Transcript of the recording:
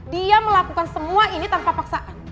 dia melakukan semua ini tanpa paksaan